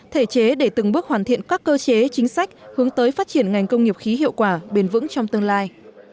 thể chế để từng bước hoàn thiện các cơ chế chính sách hướng tới phát triển ngành công nghiệp khí hiệu quả bền vững trong tương lai